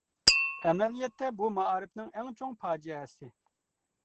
ئەمەلىيەتتە بۇ مائارىپنىڭ ئەڭ چوڭ پاجىئەسى.